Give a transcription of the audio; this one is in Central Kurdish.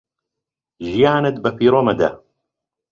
ژیانت بە فیڕۆ مەدە